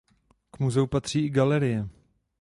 K muzeu patří i galerie.